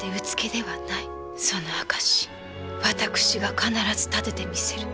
その証し私が必ず立ててみせる。